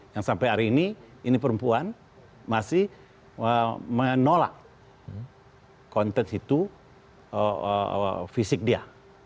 yang sampai hari ini ini perempuan masih menolak konten itu fisik dia